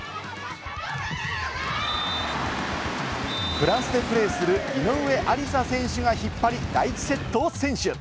フランスでプレーする井上愛里沙選手が引っ張り第１セットを先取！